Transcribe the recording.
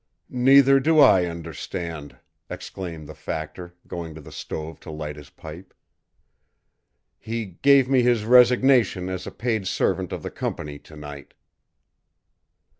"Neither do I understand," exclaimed the factor, going to the stove to light his pipe. "He gave me his resignation as a paid servant of the company tonight!"